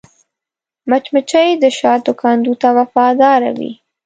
مچمچۍ د شاتو کندو ته وفاداره وي